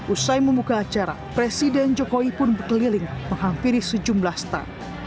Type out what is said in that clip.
usai membuka acara presiden jokowi pun berkeliling menghampiri sejumlah staf